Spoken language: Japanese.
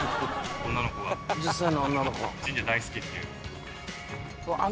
神社大好きっていう。